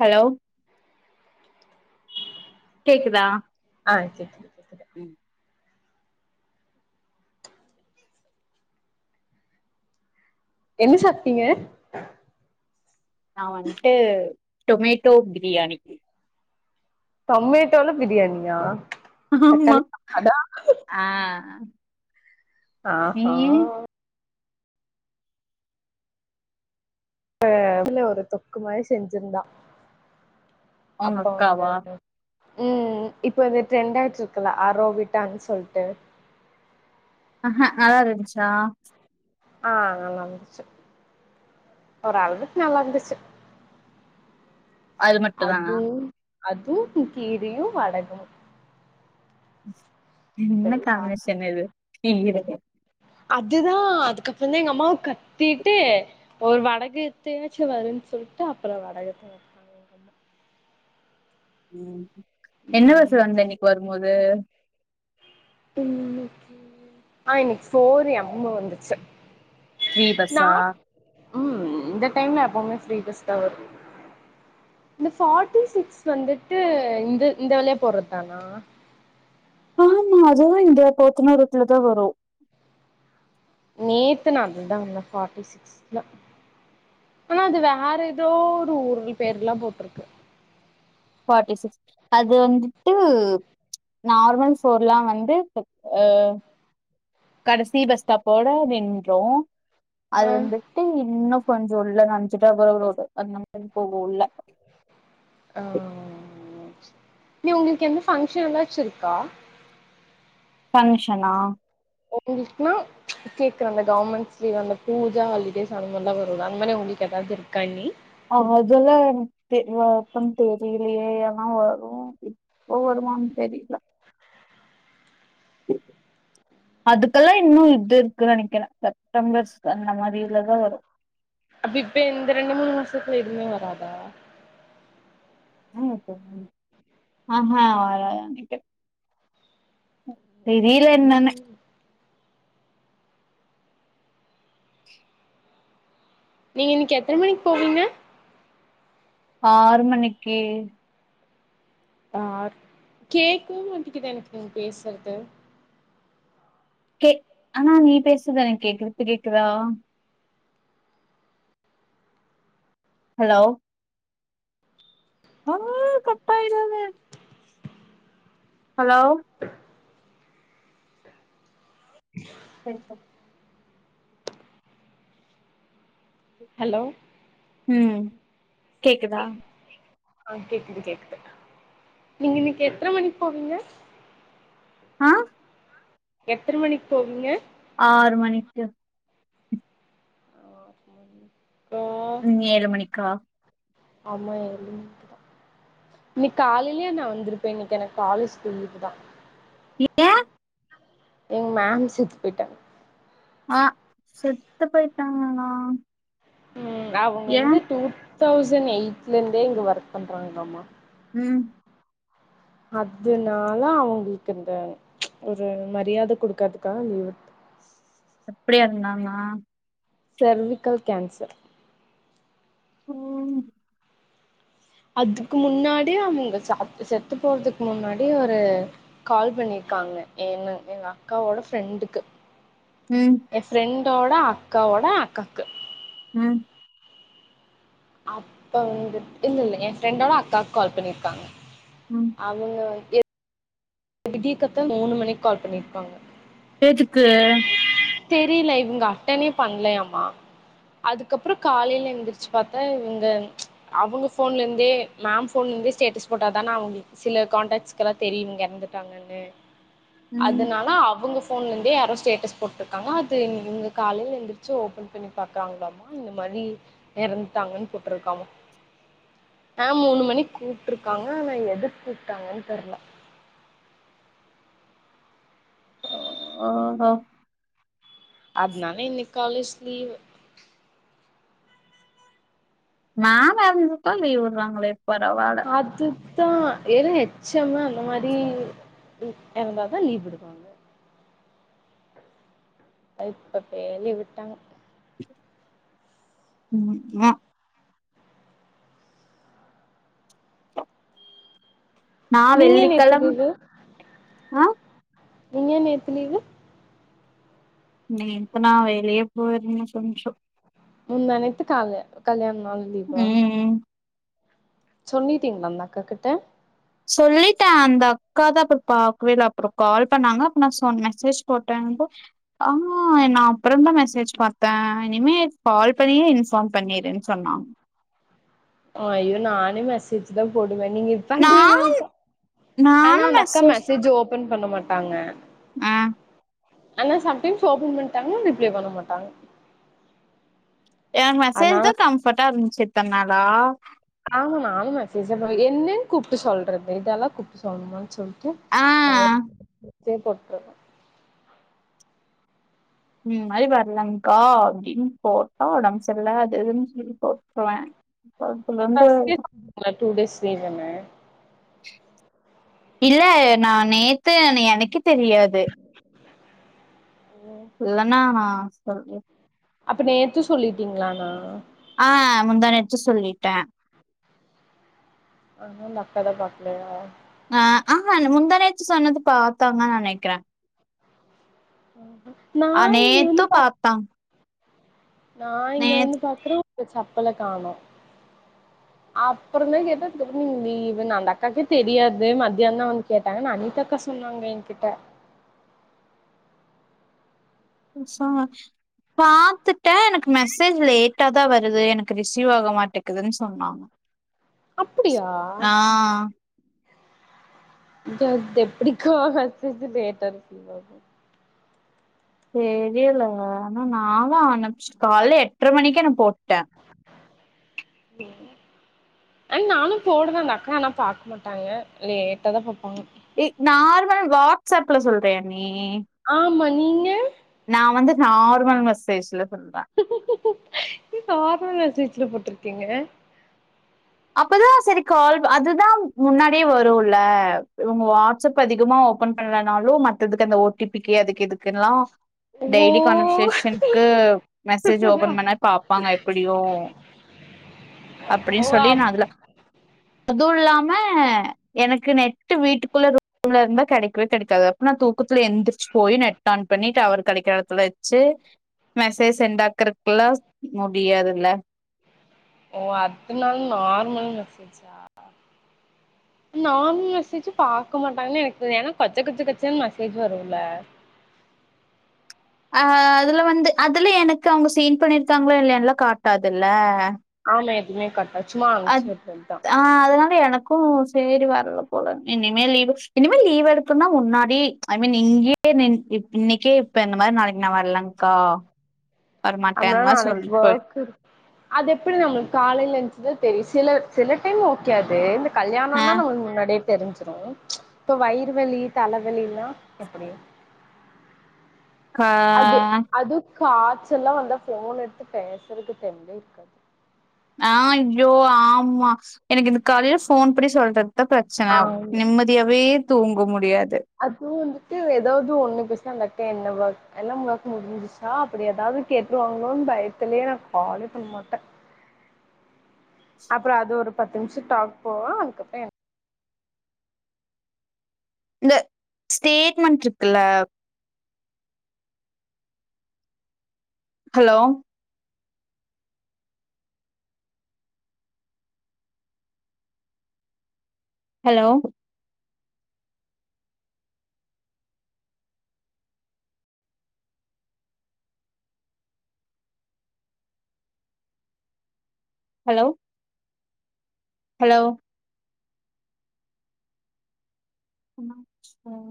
hello கேக்குதா ஆ கேக்குது கேக்குது உம் என்ன சாப்பிட்டீங்க நா வந்துட்டு டொமேட்டோ பிரியாணி டொமேட்டோல பிரியாணியா ஆமா தக்காளி சாப்பாடா ஆ ஆ அ நீயி அ இதுல ஒரு தொக்குமாரிச் செஞ்சிருந்தா உங்க அப்போ அந்த அக்காவா உம் இப்ப இது ட்ரெண்ட் ஆயிட்டுருக்குல ஆரோப்பிட்டானு சொல்லிட்டு ஆ நல்லாருந்துச்சா ஆ நல்லாருந்துச்சு ஒரு அளவுக்கு நல்லா இருந்துச்சு அது மட்டும் தான அதும் கீரையு வடகமும் என்ன சாப் காம்மினேஷன் இது கீர அதுதா அதுக்கப்புறம் தா எங்க அம்மாவ கத்திட்டு ஒரு வடகத்தையாச்சு வருனு சொல் லிட்டு அப்புறம் வடகத்த வருதாங்க எங்க அம்மா உம் என்ன ம் பஸ்ல வந்த இன்னைக்கு வரும்போது இன்னைக்கி ஆ இன்னைக்கி ஃபோர் எம் வந்துச்சு ஃபிரி நா பஸ்ஸா ம் இந்த டைம்ல எப்பவுமே ஃப்ரீ பஸ்தா வரு இந்த ஃபாட்டி சிக்ஸ் வந்துட்டு இந்த இந்த வழியா போறதுதானா ஆமா அதோ இந்த போத்தனாரோத்துலதா வரு நேத்து நா அதுவ தா வந்த ஃபாட்டி சிக்ஸல ஆனா அது வேற ஏதோ ஒரு ஊர்ங்க பேர்ல்லா போட்ருக்கு ஃபோட்டி சிக்ஸ் அது வந்துட்டு நார்மல் ஃபோர்லா வந்து இப்ப அ கடைசி பஸ் ஸ்டாப்போட அப்டியே நின்று அது ஆ வந்துட்டு இன்னு கொஞ்சொ உள்ள [unintelligible] போகோ உள்ள ஆ நீ உங்களுக்கு எந்த ஃபங்க்ஷனாச்சு இருக்கா ஃபங்ஷனா ஓகே கிருஷ்ணா கேக்குறாங்க கவர்மெண்ட்ஸ் லீவ் அந்த பூஜா ஹாலிடேஸ் அந்த மாரிலா வருல அந்த மாரி உங்களுக்கு எதாவ்து இருக்கா லீவ் அ அதெல்ல எனக் தே யாகு தெரியிலையே அனா வரு லீவெல்லா தெரியில அதுக்கெல்லா இன்னு இது இருக்கு நெனக்கிறே செப்டம்பர்ஸ் அந்த மா அப்ப இப்ப எந்த ரெண்டு மூணு மாசத்துல எதுமே வராதா ஆஹா வரா ம் தெரியில என்னன்னு நீங்க இன்னைக்கு எத்தன மணிக்கு போவீங்க ஆறு மணிக்கு ஆ கேக்கவே மாட்டேங்குது எனக்கு நீங்க பேசற்து கே ஆனா நீ பேசது எனக்கு கேக்குது இப்ப கேக்குதா ஹலோ ஆ கட்டாயிடுமே ஹலோ சரிப்ப ஹலோ ம் கேக்குதா ஆ கேக்குது கேக்குது நீங்க இன்னிக்கு எத்தன மணிக்கு போவீங்க ஆ எத்தன மணிக்கு போவீங்க ஆறு மணிக்கு ஆ ம் ஏழு மணிக்கா ஆமா ஏழு மணிக்குதா இன்னைக் காலையிலயே நா வந்துருப்பே இன்னைக்கு எனக்கு காலேஜ்கு லீவ்வு தா ஏ எங்க மேம் செத்து போயிட்டாங்க ஆ செத்து போயிட்டாங்களா ம் அவங்க வந்து டூ தௌசண்ட் எயிட்ல இருந்தே இங்க ஒர்க் பண்றாங்களாமா ம் அதுனால அவங்களுக்கு இந்த ஒரு மரியாத குடுக்கறதுக்கா லீவ் எப்டி எறந்தாங்க சர்வீக்கள் கான்சர் ம் அதுக்கு முன்னாடி அவங்க ச செத்து போறதுக்கு முன்னாடி ஒரு கால் பண்ணி இருக்காங்க எ எங்க அக்காவோட ஃப்ரெண்டுக்கு ம் எ ஃப்ரெண்டோட அக்காவோட அக்காக்கு ம் அப்ப வந்துட் இல்லல்ல எ ஃப்ரெண்டோட அக்காக் கால் பண்ணிருக்காங்க ம் அவுங்க எ விடிய காத்தால் மூணு மணிக்கு கால் பண்ணிருக்காங்க எதுக்கு தெரில இவுங்க அட்டனே பண்லையாமா அதுக்கப்ற காலையில எந்திர்ச்சு பாத்தா இவுங்க அவுங்க ஃபோன்லேந்தே மேம் ஃபோன் ந்தே ஸ்டேடஸ் போட்டாதானா அவுங்ளுக்கு சில காண்டாக்ஸ்க்கெல்லா தெரியூ இவுங்க எறந்துட்டாங்கன்னு ம் அதனால அவுங்க ஃபோன்லேந்தே யாரோ ஸ்டேட்டஸ் போட்டு காங்க அது இவுங்க காலையில எந்த்ரிச்சு ஓபன் பண்ணி பாக்குறாங்களாமா இந்த மாரி எறந்துட்டாங்கன் போட்ருக்காமா ஆ மூணு மணிக் கூப்ட்டுருக்காங்க ஆனா எது கூப்ட்டாங்கன் தெர்ல ஓ ஹோ அத்னால இன்னிக் காலேஜ் லீவு மேம் எற்ந்துட்டா லீவ் விட்றாங்களே பரவால தா எது எச் எமு அந்த மாரி ரி எற்ந்தாதா லீவ் விடுவாங்க அ இப்ப பே லீவ் விட்டாங்க ம் ம நா நீங்க நேத்து வெள்ளிக்கெழம் லீவு அ நீங்க நேத்து நீங்க நேத்து நா வெளிய போயிருந்த கொஞ்சோ முந்தாநேத்து கால்லே கல்யாண்ணால் லீவா ம் சொன்னிட்டீங்ளா அந்தக்காகிட்ட சொல்லிட்டே அந்தக்கா தா அப்ற பாக்கவேல்ல அப்ற கால் பண்ணாங்க அப்ப நா சொன் மெசேஜ் போட்டே ஆ நா அப்றந்தா மெசேஜ் பாத்தே இனிமே கால் பண்ணியே இன்ஃபார்ம் பண்ணி ணிடுன் சொன்னாங் ஐயூ நானூ மெசேஜ் தா போட் டுவேனிங்கு பண்றிங்க நான் அர்த்தோ ஆனா நானு அந்தக்கா மெசேஜ் மெசேஜு ஓப்பன் பண்ண மாட்டாங்க ஆ ஆனா சம்டைம்ஸ் ஓபன் பண்ட்டாங்னா ரிப்ளை பண்ண மாட்டாங் எனக்கு மெசேஜ் தா கம்ஃபர்ட்டா இர்ந்துச்சு இத்தன்நாளா ஆமா நானூ மெசேஜ் தா ப என்னன் கூப்ட்டு சொல்றது இதெல்லா கூப்ட்டு சொல்ணுமான் சொல் டு ஆ நா வெறூ மெசேஜ போட்ருவ இது மாரி வர்லங்க்கா அப்டின் போட்டா ஒடம் சர்ல அது இதுன் சொல்லி போட்ருவே அதுலந்து ஃபஸ்ட்டே சொன்னீங்களா டூ டேஸ் ரீசனு இல்ல நா நேத்து எனக்கே தெரியாது இல்லனா நா சொல்றே அப்ப நேத்து சொல்லிட்டீங்ளானா ஆ முந்தா நேத்து சொல்லிட்ட ஆனா அந்தக்காலா பாக்லேயா ஆ ஆஹா முந்தாநேத்து சொன்னது பாத்தாங்க நனைக்கிறே ம் அ நேத்து பாத்தாங் நா இங்க நேத் வந்து பாக்குறே சப்பல காணோ அப்புறந்தா கேட்டே அதுக்கப்றம் நீ லீவு அந்தக்காக்கே தெரியாது மத்தியான் தா வந்து கேட்டாங்கன் அனிதாக்கா சொ சொன்னாங்க எங்கிட்ட சா பாத்துட்டே எனக்கு மெசேஜ் லேட்டா தா வருது எனக்கு ரிசீவ் ஆக மாட்டேக்குதுன்னு சொன்னா அப்படியா [unintelligible] எப்படிக்கா மெசேஜ் லேட்டா தெரில ஆனா நாலா [unintelligible] கால்ல எட்ர மணிக்குலா போட்டே ம் அன் நானு போடுவே அந்த அக்கா ஆனா பாக்க மாட்டாங்க லேட்டாதா பாப்பாங்க எ நார்மல் வாட்ஸ்அப்ல சொல்றியா நீ ம் ஆமா நீங்க நா வந்து நார்மல் மெசேஜ்ல சொல்றேன் சாத நெனச்சி சீச்சல போட்டிருக்கீங்க அப்பதா சரி கால் அதுதா முன்னாடியே வரும்ல இவங்க வாட்ஸ்அப் அதிகமா ஓபன் பண்ணலனாலு மத்ததுக்கு அந்த ஓ டி பிக்கு அதுக்கு இதுக்குல்லா ஓ டெய்லி கன்வெர்சஷனக்கு மெசேஜ் ஓபன் பண்ணா பாப்பாங்க எப்படியு [inaudible] அப்டின் ஓ சொல்லி நா அப் அதல அதும் இல்லாம எனக்கு நெட்டு வீட்டுக்குள்ள ரூம்லருந்தா கெடைக்வே கெடைக்காது அப்ப நா தூக்க த்துல எந்திரிச்சு போய் நெட் ஆன் பண்ணி டவர் கெடைக்ற எடத்துல வச்சு மெசேஜ் சென்ட் ஆக்கற கல்ளா முடியாதுல்ல ஒருனாலு நார்மல் மெசேஜா நார்மல் மெசேஜ் பாக்க மாட்டாங்கனு எனக்கு ஏனா கொச்ச கொச்ச கச்சன் மெசேஜ் வருல்ல [inaudible] அ அதுல வந்து அதுல எனக்கு அவங்க சீன் பண்ணிருக்காங்ளா இல்லையான்லா காட்டாதுல்ல ஆன்ல எதுமே காட்டாது அத் ஆ அதனால எனக் க்கு சேரி வரல போல இனிமே லீவு இனிமே லீவு எடுத்தோனா முன்னாடி ஐ மீன் இங்கியே கே நின் ப் இன்னைக்கே இப்ப இந்த மாரி நாளைக்கு நா வர்லங்க்கா அனால நாளைக் ஒர்க் இருக் அது எப்டி நம்ளுக்கு காலைல எஞ்சுதா தெரிச் சில சில டைம் ஓகே அது இந்த ஆ கல்யாணந்தா நம்மளுக் முன்னாடியே தெரிஞ்சிரு இப்போ வயிரு வலி தலைவலிலா எப்புடி [inaudible] கா காச்சல்லா வந்தா போனெடுத்து பேசுறக்கு தெம்மேருக்காது ஆ ஜோ ஆமா எனக்கு இந்த காலைல போன் பண்ணி சொல்றதா பிரச்சன ஆம் நிம்மதியாவே தூங்க முடியாது அது வந்துட்டு ஏதாவது ஒண்ணு பேசா அந்தக் க்கா என்ன பிளாக் எல்லா ஒர்க் முடிஞ்சிச்சா அப்டி ஏதாவது கேட்ருவாங்ளோன்னு பயத்திலியே நா காலே பண்ண மாட்ட [inaudible] அப்ற அது ஒரு பத்து நிம்ஷ டாக் போவோ அதுக்கப்ற எனக் இந்த ஸ்டேட்மன்ட்ருக்குல்ல ஹலோ ஹலோ ஹலோ ஹலோ என்னாச்சி ம்